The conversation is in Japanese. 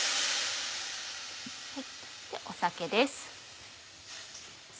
酒です。